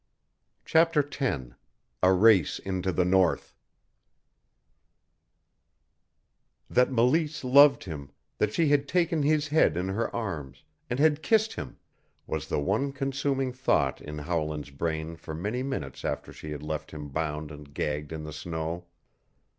CHAPTER X A RACE INTO THE NORTH That Meleese loved him, that she had taken his head in her arms, and had kissed him, was the one consuming thought in Howland's brain for many minutes after she had left him bound and gagged on the snow.